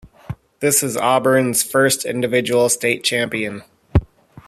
This is Auburn's first individual state champion.